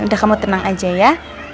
udah kamu tenang aja ya